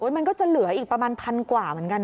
มันก็จะเหลืออีกประมาณพันกว่าเหมือนกันนะ